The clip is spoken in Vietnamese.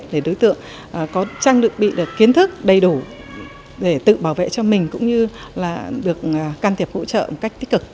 để đối tượng có trang bị được kiến thức đầy đủ để tự bảo vệ cho mình cũng như là được can thiệp hỗ trợ một cách tích cực